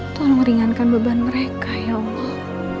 tolong meringankan beban mereka ya allah